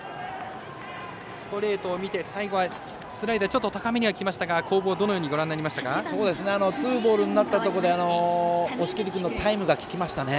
ストレートを見て最後はスライダーちょっと高めにはきましたが攻防、どのようにツーボールになったところで押切君のタイムが利きましたね。